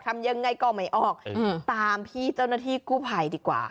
ทำยังไงก็ไม่ออกตามพี่เจ้าหน้าที่กู้ภัยดีกว่า